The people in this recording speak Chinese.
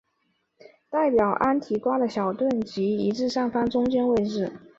代表安提瓜的小盾即移至上方的中间位置。